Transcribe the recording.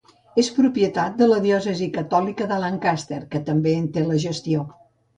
És propietat de la diòcesi catòlica de Lancaster, que també en té la gestió.